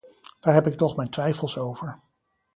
Daar heb ik toch mijn twijfels over.